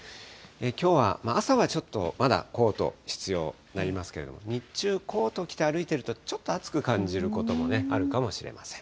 きょうは朝はちょっとまだコート必要になりますけれども、日中、コート着て歩いていると、ちょっと暑く感じることもあるかもしれません。